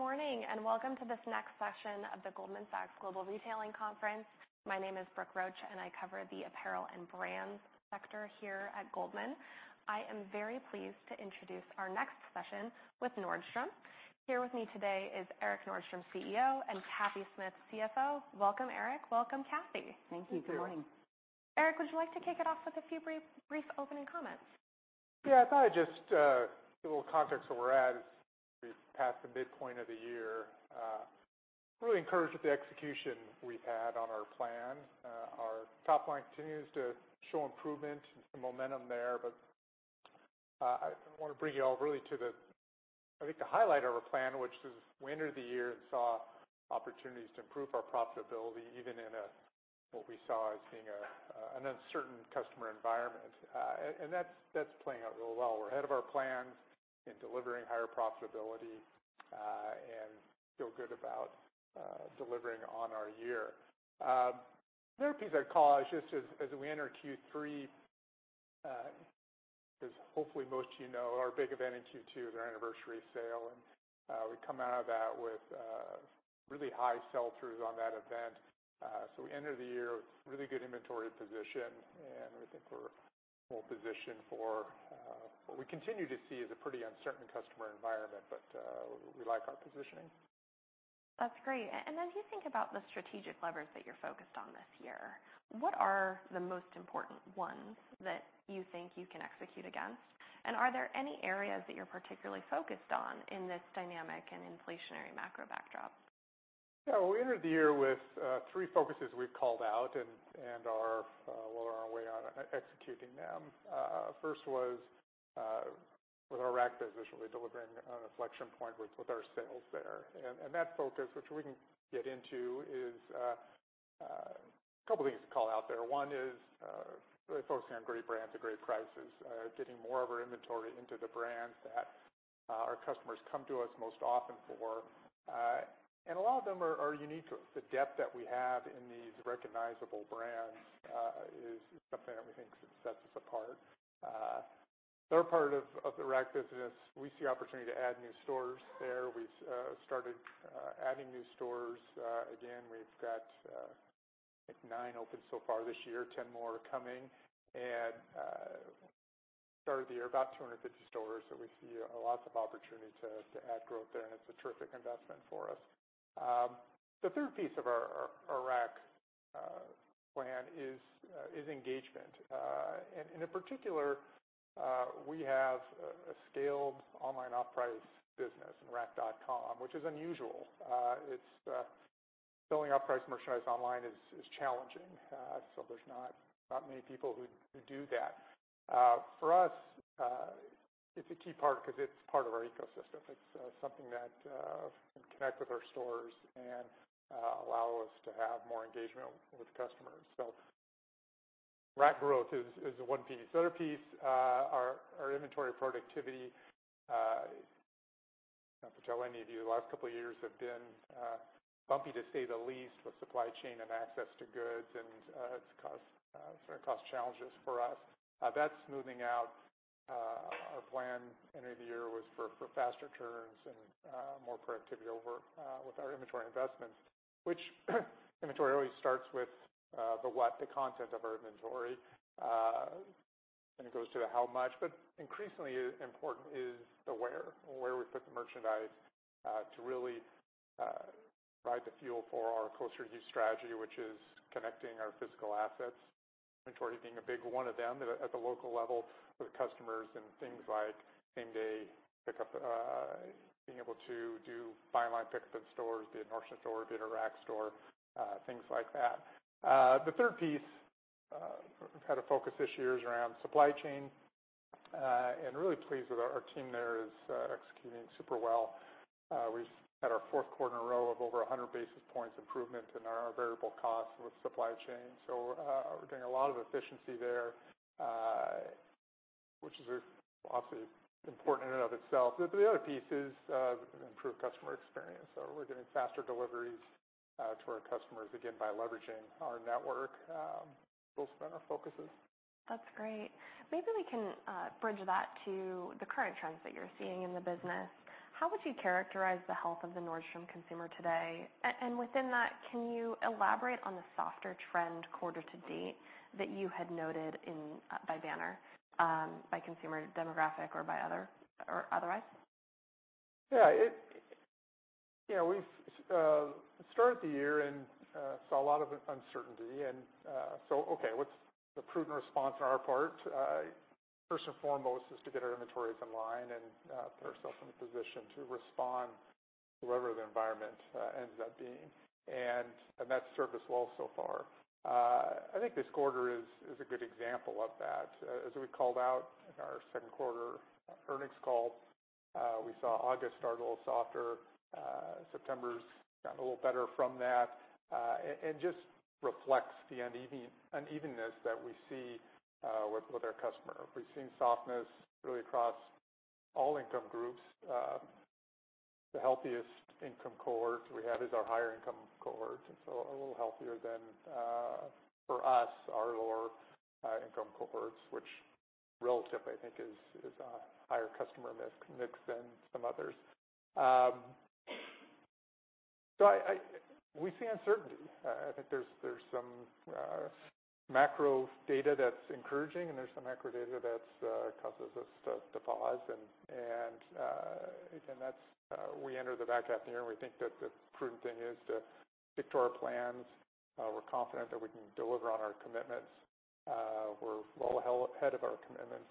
Good morning, and welcome to this next session of the Goldman Sachs Global Retailing Conference. My name is Brooke Roach, and I cover the apparel and brands sector here at Goldman. I am very pleased to introduce our next session with Nordstrom. Here with me today is Erik Nordstrom, CEO, and Cathy Smith, CFO. Welcome, Erik. Welcome, Cathy. Thank you. Thank you. Good morning. Erik, would you like to kick it off with a few brief, brief opening comments? Yeah, I thought I'd just give a little context of where we're at as we pass the midpoint of the year. Really encouraged with the execution we've had on our plan. Our top line continues to show improvement and some momentum there, but I want to bring you all really to the, I think, the highlight of our plan, which is we entered the year and saw opportunities to improve our profitability, even in a what we saw as being an uncertain customer environment. That's playing out really well. We're ahead of our plans in delivering higher profitability and feel good about delivering on our year. The other piece I'd call, just as we enter Q3, as hopefully most of you know, our big event in Q2 is our Anniversary Sale, and we come out of that with really high sell-throughs on that event. So we enter the year with really good inventory position, and we think we're well-positioned for what we continue to see as a pretty uncertain customer environment, but we like our positioning. That's great. As you think about the strategic levers that you're focused on this year, what are the most important ones that you think you can execute against? Aare there any areas that you're particularly focused on in this dynamic and inflationary macro backdrop? Yeah. We entered the year with three focuses we've called out and are well on our way on executing them. First was with our Rack division, really delivering on an inflection point with our sales there. That focus, which we can get into, is a couple things to call out there. One is really focusing on great brands at great prices. Getting more of our inventory into the brands that our customers come to us most often for. A lot of them are unique to us. The depth that we have in these recognizable brands is something that we think sets us apart. Third part of the Rack business, we see opportunity to add new stores there. We've started adding new stores. Again, we've got, like, 9 open so far this year, 10 more coming. Started the year with about 250 stores, so we see a lots of opportunity to add growth there, and it's a terrific investment for us. The third piece of our Rack plan is engagement. In particular, we have a scaled online off-price business in rack.com, which is unusual. Selling off-price merchandise online is challenging, so there's not many people who do that. For us, it's a key part because it's part of our ecosystem. It's something that can connect with our stores and allow us to have more engagement with customers. Rack growth is one piece. The other piece, our inventory productivity. I don't have to tell any of you, the last couple of years have been bumpy, to say the least, with supply chain and access to goods, and it's caused challenges for us. That's smoothing out. Our plan entering the year was for faster turns and more productivity over with our inventory investments, which inventory always starts with the content of our inventory. It goes to the how much, but increasingly important is the where, where we put the merchandise, to really provide the fuel for our closer to you strategy, which is connecting our physical assets, inventory being a big one of them at the local level for the customers and things like same-day pickup, being able to do buy online, pickup in stores, be it a Nordstrom store, be it a Rack store, things like that. The third piece we've had a focus this year is around supply chain. Really pleased with our team there is executing super well. We've had our fourth quarter in a row of over 100 basis points improvement in our variable costs with supply chain, so, we're doing a lot of efficiency there, which is, obviously, important in and of itself. The other piece is, improved customer experience. So we're getting faster deliveries, to our customers, again, by leveraging our network. Those are our focuses. That's great. Maybe we can bridge that to the current trends that you're seeing in the business. How would you characterize the health of the Nordstrom consumer today? Within that, can you elaborate on the softer trend quarter to date that you had noted in, by banner, by consumer demographic or by other, or otherwise? Yeah, we've started the year and saw a lot of uncertainty. So, okay, what's the prudent response on our part? First and foremost, is to get our inventories in line and put ourselves in a position to respond whatever the environment ends up being. That's served us well so far. I think this quarter is a good example of that. As we called out in our second quarter earnings call, we saw August start a little softer. September's gotten a little better from that, and just reflects the unevenness that we see with our customer. We've seen softness really across all income groups. The healthiest income cohorts we have is our higher income cohorts, and so a little healthier than for us, our lower income cohorts, which relative, I think, is higher customer mix than some others. So we see uncertainty. I think there's some macro data that's encouraging, and there's some macro data that's causes us to pause. Again, that's we enter the back half of the year, and we think that the prudent thing is to stick to our plans. We're confident that we can deliver on our commitments. We're well ahead of our commitments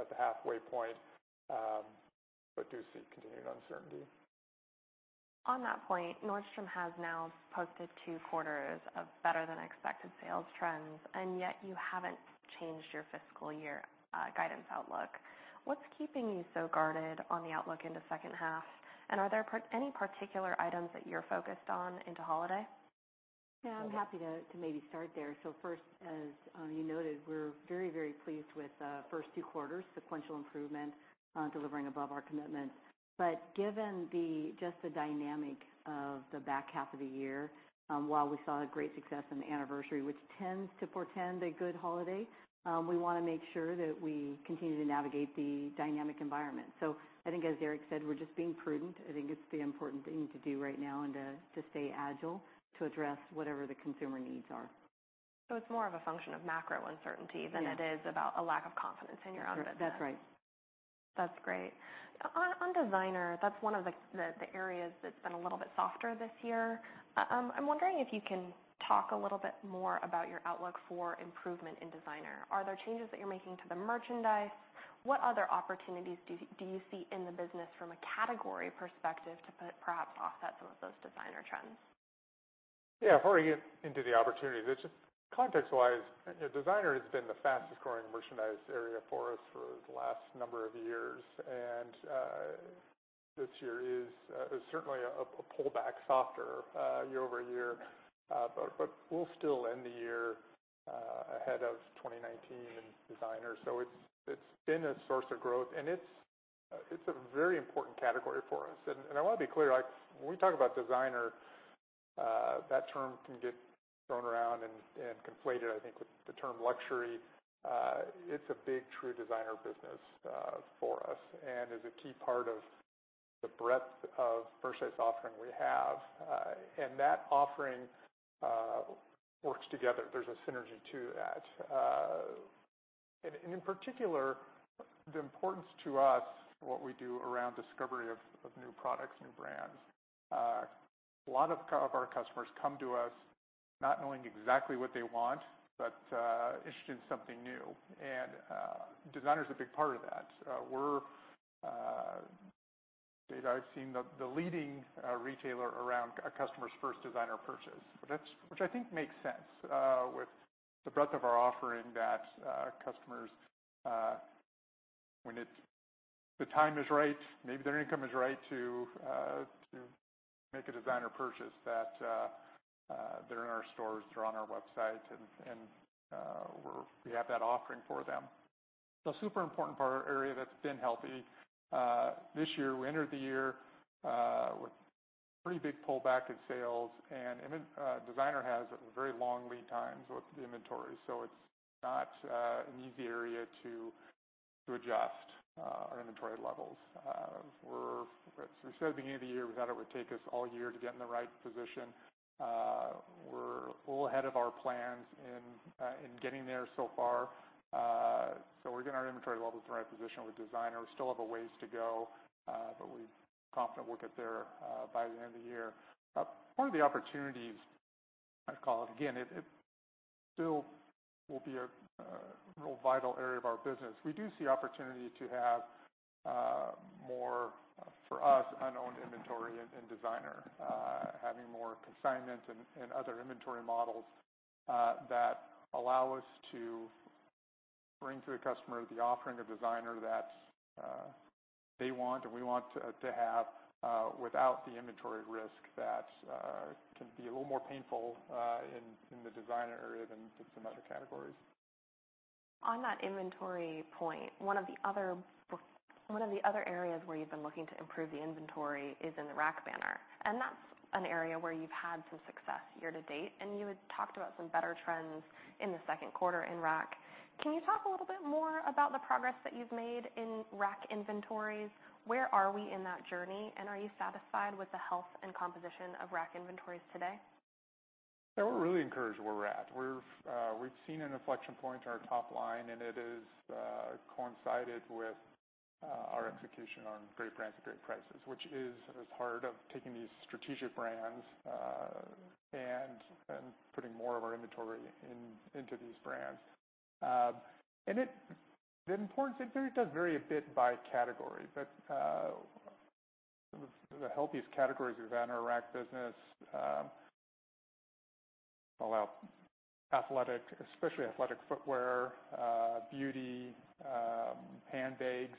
at the halfway point, but do see continued uncertainty. On that point, Nordstrom has now posted two quarters of better-than-expected sales trends, and yet you haven't changed your fiscal year, guidance outlook. What's keeping you so guarded on the outlook in the second half? Are there any particular items that you're focused on into holiday? Yeah, I'm happy to maybe start there. So first, as you noted, we're very, very pleased with the first two quarters. Sequential improvement, delivering above our commitment. But given just the dynamic of the back half of the year, while we saw great success in the anniversary, which tends to portend a good holiday, we wanna make sure that we continue to navigate the dynamic environment. So I think, as Erik said, we're just being prudent. I think it's the important thing to do right now, and to stay agile, to address whatever the consumer needs are. It's more of a function of macro uncertainty- Yeah. Than it is about a lack of confidence in your own business? That's right. That's great. On designer, that's one of the areas that's been a little bit softer this year. I'm wondering if you can talk a little bit more about your outlook for improvement in designer. Are there changes that you're making to the merchandise? What other opportunities do you see in the business from a category perspective, to put perhaps offset some of those designer trends? Yeah, before I get into the opportunities, it's just context-wise, you know, designer has been the fastest growing merchandise area for us for the last number of years. This year is certainly a pullback, softer year-over-year. But we'll still end the year ahead of 2019 in designer. So it's been a source of growth, and it's a very important category for us. I wanna be clear, like, when we talk about designer, that term can get thrown around and conflated, I think, with the term luxury. It's a big, true designer business for us and is a key part of the breadth of merchandise offering we have. That offering works together. There's a synergy to that. In particular, the importance to us, what we do around discovery of new products, new brands. A lot of our customers come to us not knowing exactly what they want, but interested in something new, and designer is a big part of that. Per the data I've seen, we're the leading retailer around a customer's first designer purchase. But that's, which I think makes sense, with the breadth of our offering that customers, when it's the time is right, maybe their income is right to make a designer purchase, that they're in our stores, they're on our website, and we have that offering for them. So super important part of our area that's been healthy. This year, we entered the year with pretty big pullback in sales, and in designer has very long lead times with the inventory, so it's not an easy area to adjust our inventory levels. So we said at the beginning of the year, we thought it would take us all year to get in the right position. We're a little ahead of our plans in getting there so far. So we're getting our inventory levels in the right position with designer. We still have a ways to go, but we're confident we'll get there by the end of the year. One of the opportunities, I'd call it, again, it, it still will be a real vital area of our business. We do see opportunity to have more, for us, unknown inventory in designer. Having more consignment and other inventory models that allow us to bring to the customer the offering of designer that they want and we want to have without the inventory risk that can be a little more painful in the designer area than in some other categories. On that inventory point, one of the other areas where you've been looking to improve the inventory is in the Rack banner, and that's an area where you've had some success year to date, and you had talked about some better trends in the second quarter in Rack. Can you talk a little bit more about the progress that you've made in Rack inventories? Where are we in that journey, and are you satisfied with the health and composition of Rack inventories today? Yeah, we're really encouraged where we're at. We're, we've seen an inflection point to our top line, and it is, coincided with, our execution on Great Brands, Great Prices, which is as part of taking these strategic brands, and putting more of our inventory in, into these brands. It the importance, it does vary a bit by category, but, the healthiest categories within our Rack business, allow athletic, especially athletic footwear, beauty, handbags.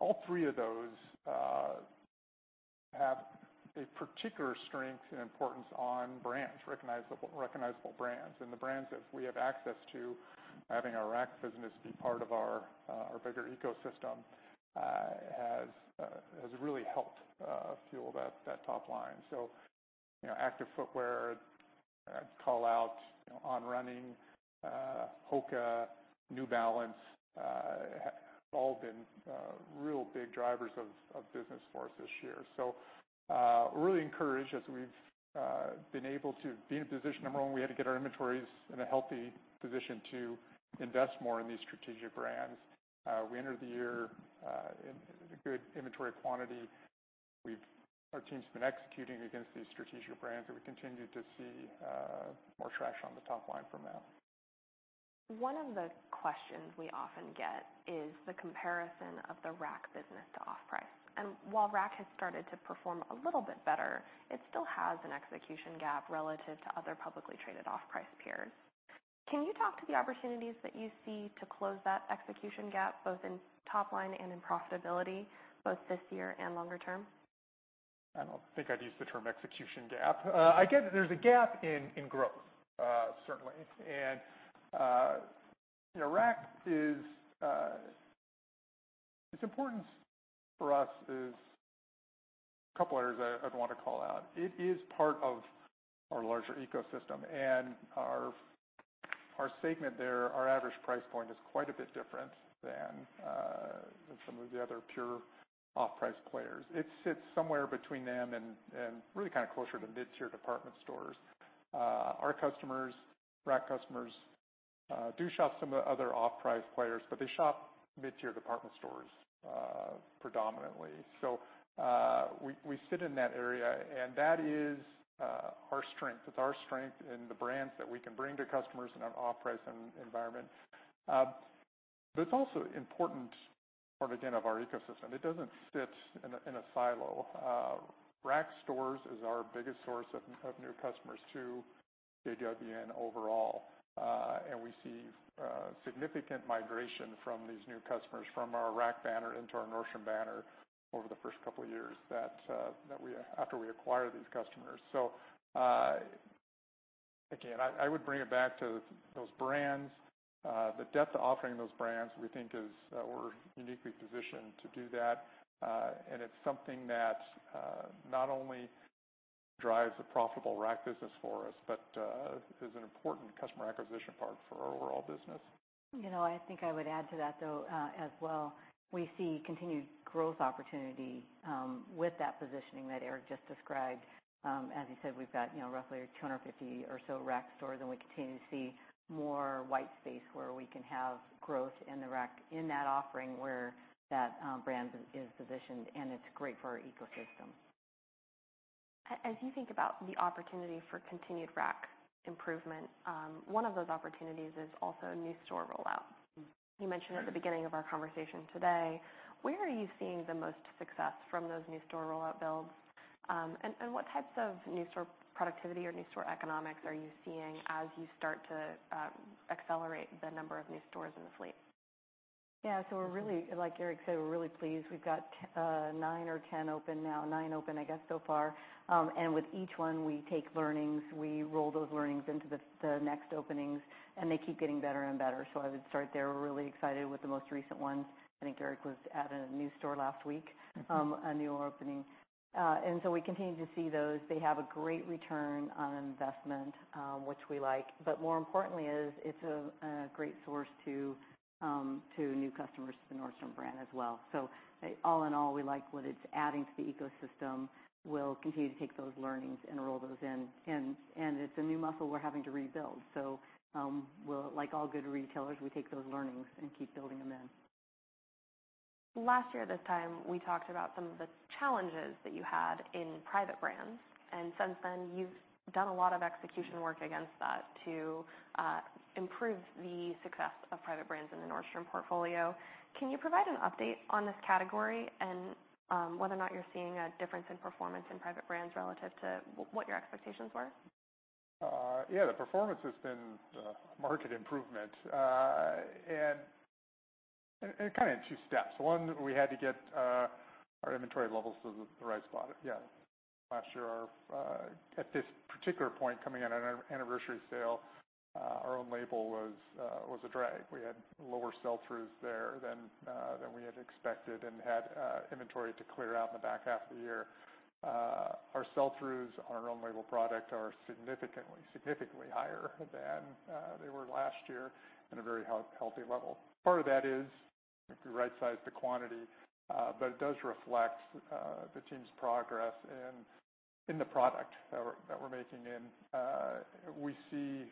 All three of those, have a particular strength and importance on brands, recognizable brands. The brands that we have access to, having our Rack business be part of our, our bigger ecosystem, has really helped, fuel that top line. So-... You know, active footwear, I'd call out On Running, HOKA, New Balance, have all been real big drivers of business for us this year. So, we're really encouraged as we've been able to be in a position, number one, we had to get our inventories in a healthy position to invest more in these strategic brands. We entered the year in a good inventory quantity. Our team's been executing against these strategic brands, and we continue to see more traction on the top line from that. One of the questions we often get is the comparison of the Rack business to off-price. While Rack has started to perform a little bit better, it still has an execution gap relative to other publicly traded off-price peers. Can you talk to the opportunities that you see to close that execution gap, both in top line and in profitability, both this year and longer term? I don't think I'd use the term execution gap. I get that there's a gap in growth, certainly. You know, Rack is its importance for us is a couple areas I'd want to call out. It is part of our larger ecosystem, and our segment there, our average price point is quite a bit different than some of the other pure off-price players. It sits somewhere between them and really kind of closer to mid-tier department stores. Our customers, Rack customers, do shop some of the other off-price players, but they shop mid-tier department stores, predominantly. So, we sit in that area, and that is our strength. It's our strength in the brands that we can bring to customers in an off-price environment. But it's also important part, again, of our ecosystem. It doesn't sit in a silo. Rack stores is our biggest source of new customers to JWN overall. We see significant migration from these new customers from our Rack banner into our Nordstrom banner over the first couple of years after we acquire these customers. So, again, I would bring it back to those brands. The depth of offering those brands, we think, is. We're uniquely positioned to do that. It's something that not only drives a profitable Rack business for us, but is an important customer acquisition part for our overall business. You know, I think I would add to that, though, as well. We see continued growth opportunity with that positioning that Erik just described. As he said, we've got, you know, roughly 250 or so Rack stores, and we continue to see more white space where we can have growth in the Rack, in that offering, where that brand is positioned, and it's great for our ecosystem. As you think about the opportunity for continued Rack improvement, one of those opportunities is also new store rollout. You mentioned at the beginning of our conversation today, where are you seeing the most success from those new store rollout builds? What types of new store productivity or new store economics are you seeing as you start to accelerate the number of new stores in the fleet? Yeah. So we're really, like Eric said, we're really pleased. We've got 9 or 10 open now. 9 open, I guess, so far. With each one, we take learnings, we roll those learnings into the next openings, and they keep getting better and better. So I would start there. We're really excited with the most recent one. I think Eric was at a new store last week, a new opening. So we continue to see those. They have a great return on investment, which we like. But more importantly is, it's a great source to new customers to the Nordstrom brand as well. So all in all, we like what it's adding to the ecosystem. We'll continue to take those learnings and roll those in. It's a new muscle we're having to rebuild. So, like all good retailers, we take those learnings and keep building them in. Last year at this time, we talked about some of the challenges that you had in private brands, and since then you've done a lot of execution work against that to improve the success of private brands in the Nordstrom portfolio. Can you provide an update on this category and whether or not you're seeing a difference in performance in private brands relative to what your expectations were? Yeah. The performance has been market improvement. Kind of in two steps. One, we had to get our inventory levels to the right spot. Yeah. Last year, our... At this particular point, coming in on our Anniversary Sale, our own label was a drag. We had lower sell-throughs there than we had expected and had inventory to clear out in the back half of the year. Our sell-throughs on our own label product are significantly, significantly higher than they were last year, at a very healthy level. Part of that is we right-sized the quantity, but it does reflect the team's progress in the product that we're making. We see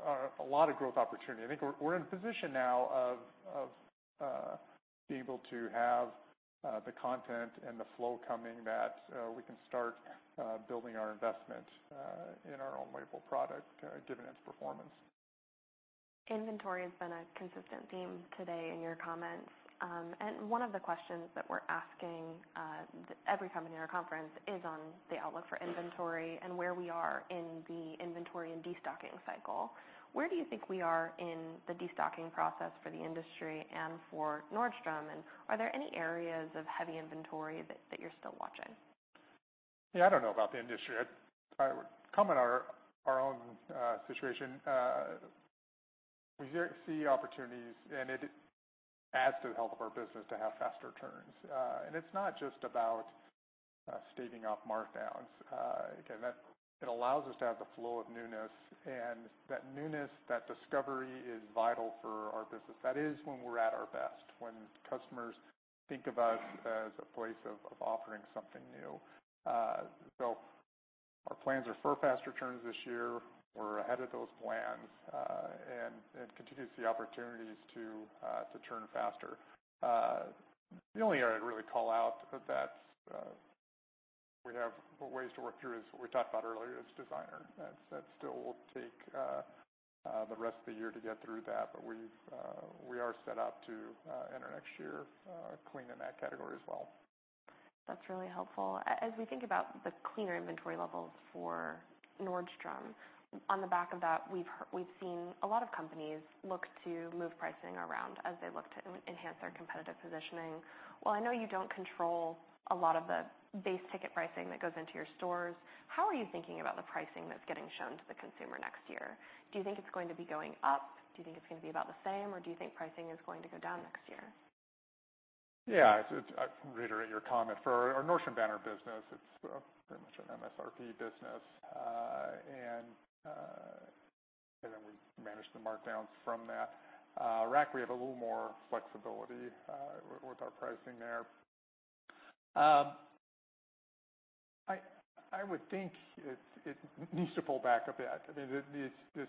a lot of growth opportunity. I think we're in a position now of being able to have the content and the flow coming, that we can start building our investment in our own label product, given its performance. Inventory has been a consistent theme today in your comments. One of the questions that we're asking every company in our conference is on the outlook for inventory and where we are in the inventory and destocking cycle. Where do you think we are in the destocking process for the industry and for Nordstrom, and are there any areas of heavy inventory that you're still watching? Yeah, I don't know about the industry. I would comment on our own situation. We see opportunities, and it adds to the health of our business to have fast returns. It's not just about staving off markdowns. Again, that allows us to have the flow of newness, and that newness, that discovery is vital for our business. That is when we're at our best, when customers think of us as a place of offering something new. So our plans are for fast returns this year. We're ahead of those plans, and continue to see opportunities to turn faster. The only area I'd really call out that's we have ways to work through is what we talked about earlier, is designer. That still will take the rest of the year to get through that, but we are set up to enter next year clean in that category as well. That's really helpful. As we think about the cleaner inventory levels for Nordstrom, on the back of that, we've seen a lot of companies look to move pricing around as they look to enhance their competitive positioning. While I know you don't control a lot of the base ticket pricing that goes into your stores, how are you thinking about the pricing that's getting shown to the consumer next year? Do you think it's going to be going up? Do you think it's gonna be about the same, or do you think pricing is going to go down next year? Yeah, I reiterate your comment. For our Nordstrom banner business, it's pretty much an MSRP business, and then we manage the markdowns from that. Rack, we have a little more flexibility with our pricing there. I would think it needs to pull back a bit. I mean, this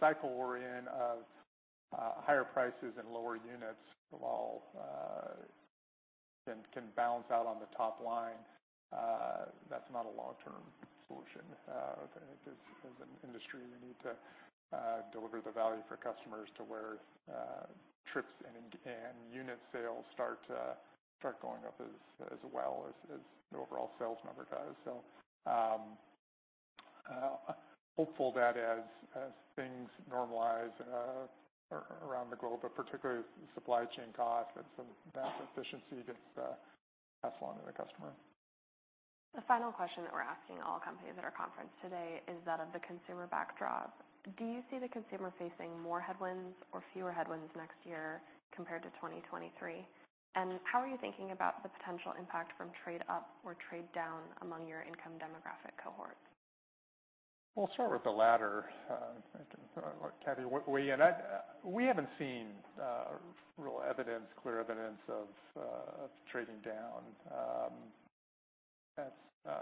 cycle we're in of higher prices and lower units while can balance out on the top line, that's not a long-term solution. Again, as an industry, we need to deliver the value for customers to where trips and in- and unit sales start to start going up as well as the overall sales number does. So, hopeful that as things normalize around the globe, but particularly supply chain costs and some of that efficiency gets passed along to the customer. The final question that we're asking all companies at our conference today is that of the consumer backdrop. Do you see the consumer facing more headwinds or fewer headwinds next year compared to 2023? How are you thinking about the potential impact from trade up or trade down among your income demographic cohorts? We'll start with the latter, Cathy, we and I—we haven't seen real evidence, clear evidence of trading down. That's...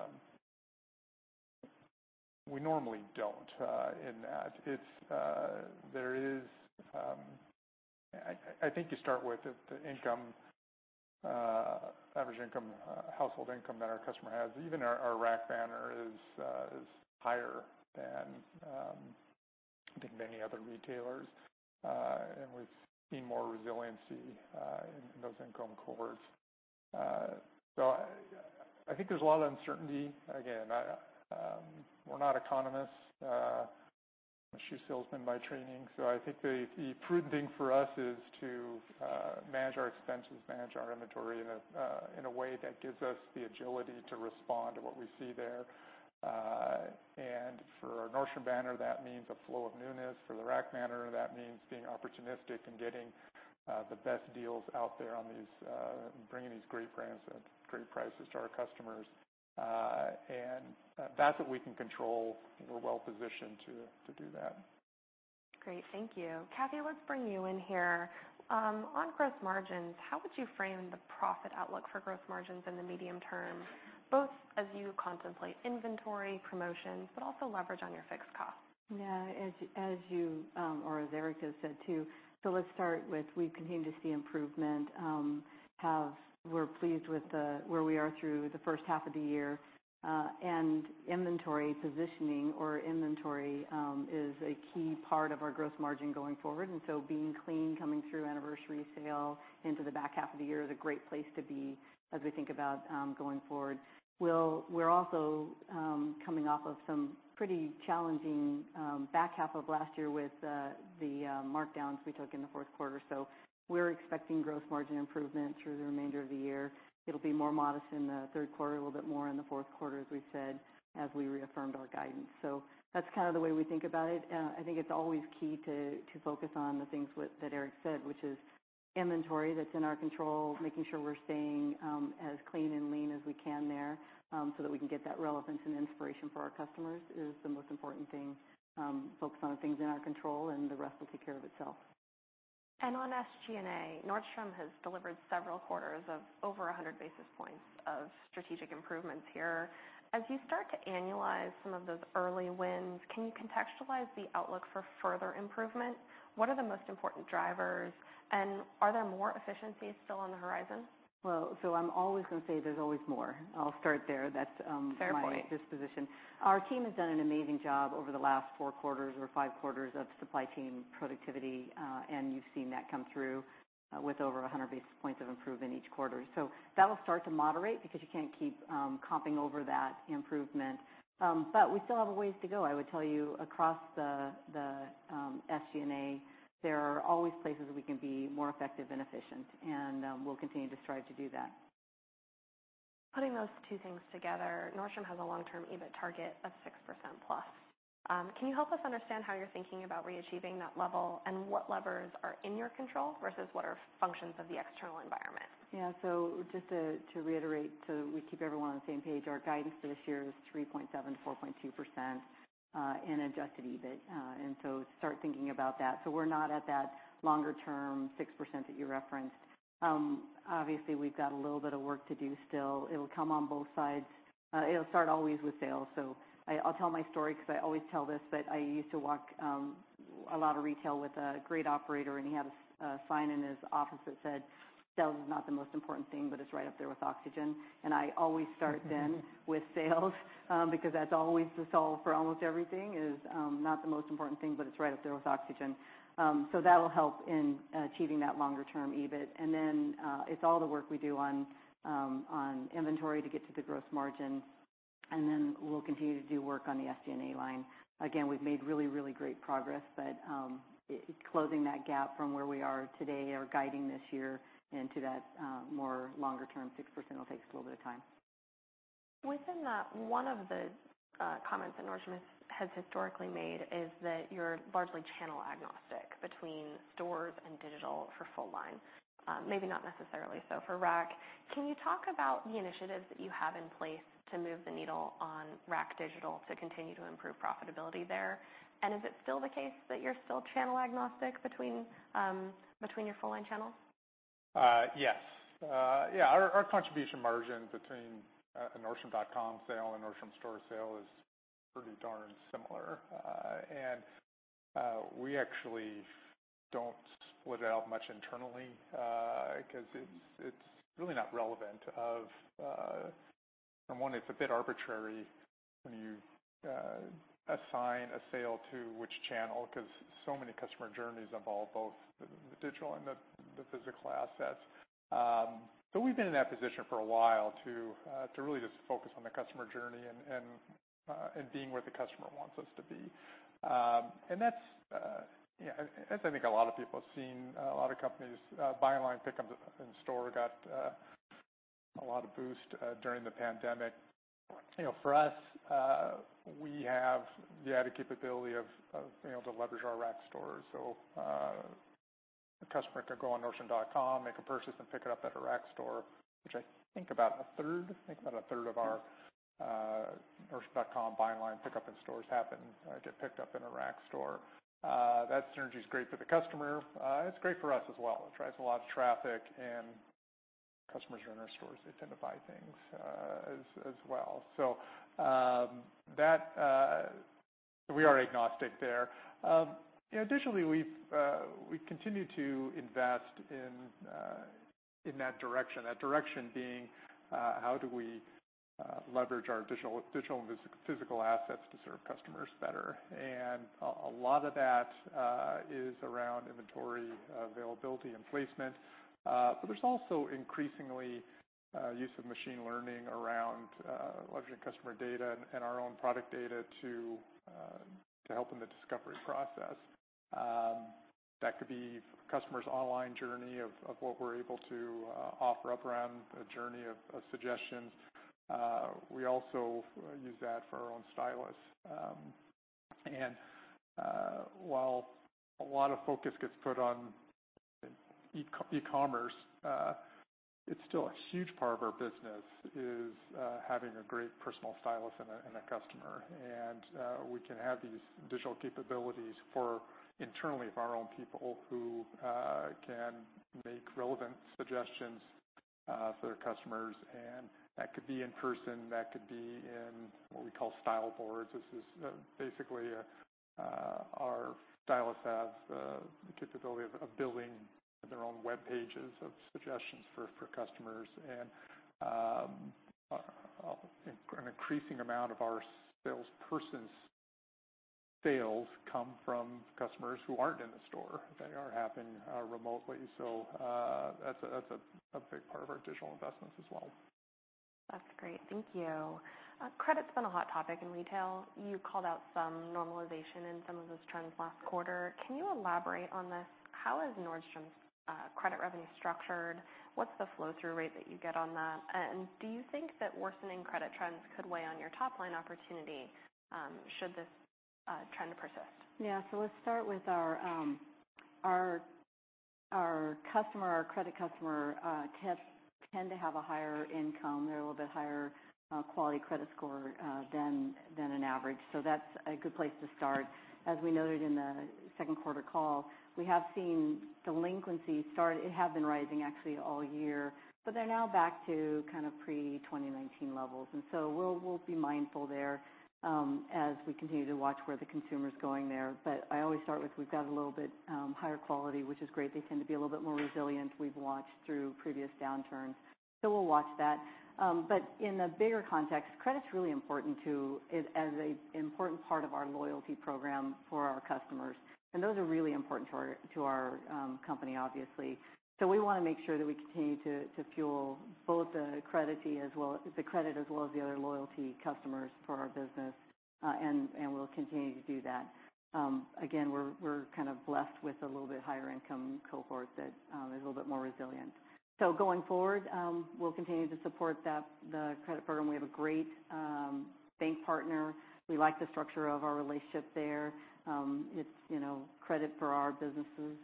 We normally don't in that. It's there is... I think you start with the income, average income, household income that our customer has. Even our Rack banner is higher than I think many other retailers. We've seen more resiliency in those income cohorts. So I think there's a lot of uncertainty. Again, we're not economists. I'm a shoe salesman by training, so I think the prudent thing for us is to manage our expenses, manage our inventory in a way that gives us the agility to respond to what we see there. For our Nordstrom banner, that means a flow of newness. For the Rack banner, that means being opportunistic and getting the best deals out there on these, bringing these great brands at great prices to our customers. That's what we can control, and we're well positioned to do that. Great. Thank you. Cathy, let's bring you in here. On gross margins, how would you frame the profit outlook for gross margins in the medium term, both as you contemplate inventory, promotions, but also leverage on your fixed costs? Yeah, as Erik has said, too, so let's start with we continue to see improvement. We're pleased with where we are through the first half of the year. Inventory positioning or inventory is a key part of our gross margin going forward. So being clean coming through Anniversary Sale into the back half of the year is a great place to be as we think about going forward. We're also coming off of some pretty challenging back half of last year with the markdowns we took in the fourth quarter. So we're expecting gross margin improvement through the remainder of the year. It'll be more modest in the third quarter, a little bit more in the fourth quarter, as we've said, as we reaffirmed our guidance. So that's kind of the way we think about it. I think it's always key to focus on the things that Erik said, which is inventory that's in our control, making sure we're staying as clean and lean as we can there, so that we can get that relevance and inspiration for our customers, is the most important thing. Focus on the things in our control, and the rest will take care of itself. On SG&A, Nordstrom has delivered several quarters of over 100 basis points of strategic improvements here. As you start to annualize some of those early wins, can you contextualize the outlook for further improvement? What are the most important drivers, and are there more efficiencies still on the horizon? Well, so I'm always gonna say there's always more. I'll start there. That's Fair point. My disposition. Our team has done an amazing job over the last four quarters or five quarters of supply team productivity, and you've seen that come through with over 100 basis points of improvement each quarter. So that will start to moderate because you can't keep comping over that improvement. But we still have a ways to go. I would tell you, across the SG&A, there are always places we can be more effective and efficient, and we'll continue to strive to do that. Putting those two things together, Nordstrom has a long-term EBIT target of +6%. Can you help us understand how you're thinking about re-achieving that level, and what levers are in your control versus what are functions of the external environment? Yeah. So just to reiterate, so we keep everyone on the same page, our guidance for this year is 3.7% to 4.2% in adjusted EBIT. So start thinking about that. So we're not at that longer term 6% that you referenced. Obviously, we've got a little bit of work to do still. It'll come on both sides. It'll start always with sales. So, I'll tell my story because I always tell this, but I used to walk a lot of retail with a great operator, and he had a sign in his office that said, "Sales is not the most important thing, but it's right up there with oxygen." I always start then with sales because that's always the solve for almost everything, is not the most important thing, but it's right up there with oxygen. So that will help in achieving that longer-term EBIT. It's all the work we do on inventory to get to the gross margin, and then we'll continue to do work on the SG&A line. Again, we've made really, really great progress, but closing that gap from where we are today or guiding this year into that more longer-term 6% will take us a little bit of time. Within that, one of the comments that Nordstrom has historically made is that you're largely channel agnostic between stores and digital for full line. Maybe not necessarily so for Rack. Can you talk about the initiatives that you have in place to move the needle on Rack digital to continue to improve profitability there? Is it still the case that you're still channel agnostic between your full line channels? Yes. Yeah, our contribution margin between a Nordstrom.com sale and Nordstrom store sale is pretty darn similar. We actually don't split it out much internally, because it's really not relevant of... For one, it's a bit arbitrary when you assign a sale to which channel, because so many customer journeys involve both the digital and the physical assets. So we've been in that position for a while to really just focus on the customer journey and being where the customer wants us to be. That's, yeah, as I think a lot of people have seen, a lot of companies buy online, pick up in store, got a lot of boost during the pandemic. You know, for us, we have the added capability, you know, to leverage our Rack stores. So, a customer could go on Nordstrom.com, make a purchase, and pick it up at a Rack store, which I think about a third of our Nordstrom.com buy online, pick up in stores happen, get picked up in a Rack store. That synergy is great for the customer. It's great for us as well. It drives a lot of traffic, and customers are in our stores, they tend to buy things as well. So, that... We are agnostic there. Additionally, we continue to invest in that direction. That direction being how do we leverage our digital and physical assets to serve customers better? A lot of that is around inventory availability and placement. But there's also increasingly use of machine learning around leveraging customer data and our own product data to help in the discovery process. That could be customers' online journey of what we're able to offer up around a journey of suggestions. We also use that for our own stylists. While a lot of focus gets put on e-commerce, it's still a huge part of our business, is having a great personal stylist and a customer. We can have these digital capabilities for internally, of our own people, who can make relevant suggestions for their customers. What could be in person, that could be in what we call Style boards. This is basically our stylists have the capability of building their own web pages of suggestions for customers. An increasing amount of our salesperson's sales come from customers who aren't in the store. They are happening remotely. So that's a big part of our digital investments as well. That's great. Thank you. Credit's been a hot topic in retail. You called out some normalization in some of those trends last quarter. Can you elaborate on this? How is Nordstrom's credit revenue structured? What's the flow-through rate that you get on that? Do you think that worsening credit trends could weigh on your top line opportunity, should this trend persist? Yeah. So let's start with our customer, our credit customer, tend to have a higher income. They're a little bit higher quality credit score than an average. So that's a good place to start. As we noted in the second quarter call, we have seen delinquencies start—it had been rising actually all year, but they're now back to kind of pre-2019 levels. So we'll be mindful there as we continue to watch where the consumer's going there. But I always start with, we've got a little bit higher quality, which is great. They tend to be a little bit more resilient. We've watched through previous downturns, so we'll watch that. But in the bigger context, credit's really important, too, as an important part of our loyalty program for our customers, and those are really important to our company, obviously. So we want to make sure that we continue to fuel both the credit, as well as the other loyalty customers for our business. We'll continue to do that. Again, we're kind of blessed with a little bit higher income cohort that is a little bit more resilient. So going forward, we'll continue to support that, the credit program. We have a great bank partner. We like the structure of our relationship there. It's, you know, credit for our businesses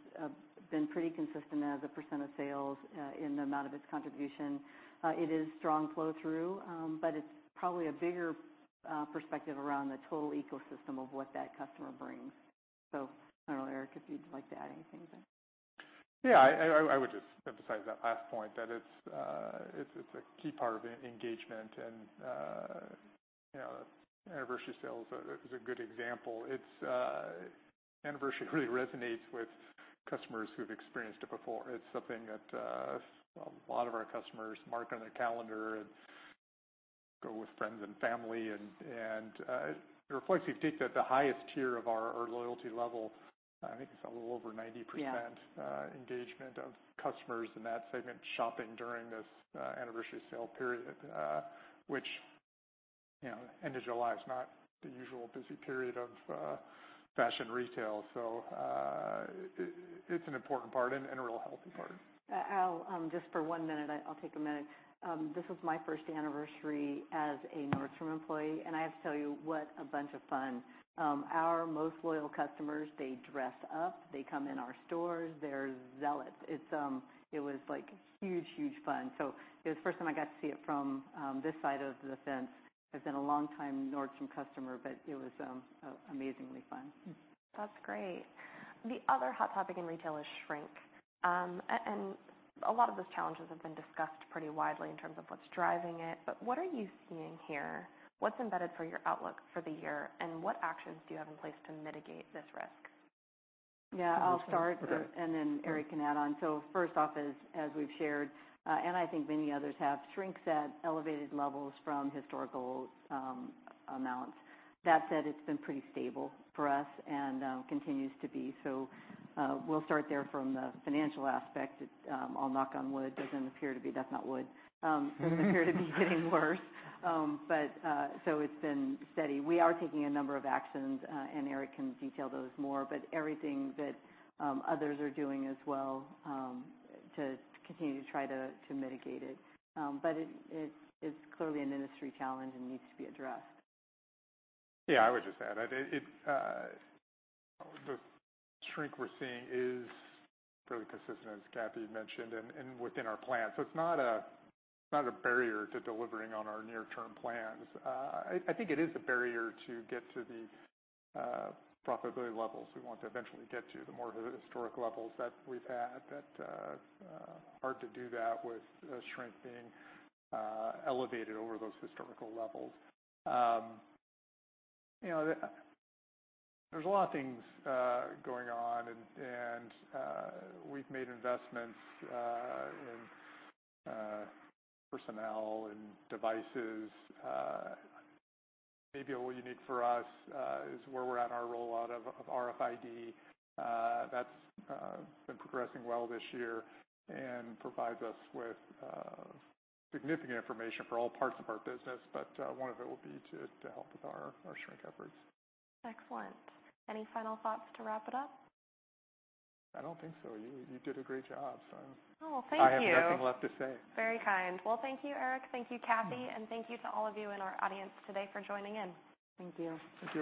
been pretty consistent as a percent of sales, in the amount of its contribution. It is strong flow-through, but it's probably a bigger perspective around the total ecosystem of what that customer brings. So I don't know, Eric, if you'd like to add anything there? Yeah, I would just emphasize that last point, that it's a key part of engagement and, you know, Anniversary Sale is a good example. It's Anniversary Sale really resonates with customers who've experienced it before. It's something that a lot of our customers mark on their calendar and go with friends and family and it reflects, we think, that the highest tier of our loyalty level, I think it's a little over 90%- Yeah... engagement of customers in that segment, shopping during this Anniversary Sale period. Which, you know, end of July is not the usual busy period of fashion retail, so it's an important part and a real healthy part. I'll just take a minute. This was my first anniversary as a Nordstrom employee, and I have to tell you, what a bunch of fun. Our most loyal customers, they dress up, they come in our stores, they're zealous. It was, like, huge, huge fun. So it was the first time I got to see it from this side of the fence. I've been a long time Nordstrom customer, but it was amazingly fun. That's great. The other hot topic in retail is shrink. A lot of those challenges have been discussed pretty widely in terms of what's driving it, but what are you seeing here? What's embedded for your outlook for the year, and what actions do you have in place to mitigate this risk? Yeah, I'll start- Sure. Erik can add on. So first off, as we've shared, and I think many others have, shrink's at elevated levels from historical amounts. That said, it's been pretty stable for us and continues to be. So we'll start there from the financial aspect. It, I'll knock on wood, doesn't appear to be... That's not wood. Doesn't appear to be getting worse. But so it's been steady. We are taking a number of actions, and Erik can detail those more, but everything that others are doing as well to continue to try to mitigate it. But it, it's clearly an industry challenge and needs to be addressed. Yeah, I would just add, it, the shrink we're seeing is fairly consistent, as Cathy mentioned, and within our plan. So it's not a barrier to delivering on our near-term plans. I think it is a barrier to get to the profitability levels we want to eventually get to, the more historic levels that we've had. That hard to do that with shrink being elevated over those historical levels. You know, there's a lot of things going on and we've made investments in personnel and devices. Maybe what we need for us is where we're at in our rollout of RFID. That's been progressing well this year and provides us with significant information for all parts of our business, but one of it will be to help with our shrink efforts. Excellent. Any final thoughts to wrap it up? I don't think so. You did a great job. Oh, well, thank you. I have nothing left to say. Very kind. Well, thank you, Erik, thank you, Cathy- Thank you to all of you in our audience today for joining in. Thank you. Thank you, everyone.